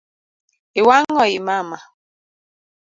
Iwang’o I mama